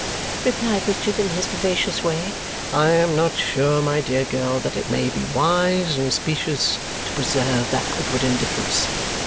replied Richard in his vivacious way. "I am not sure, my dear girl, but that it may be wise and specious to preserve that outward indifference.